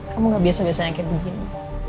kamu gak biasa biasa nyakit begini